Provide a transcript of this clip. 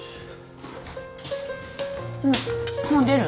んもう出る？